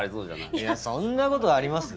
いやそんなことあります？